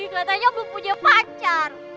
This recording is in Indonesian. katanya gue punya pacar